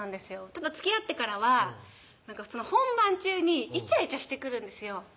ただつきあってからは本番中にイチャイチャしてくるんですよ